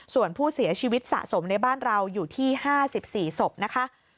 ส่วนผู้เสียชีวิตสะสมในบ้านเราอยู่ที่๕๔ศพนะคะ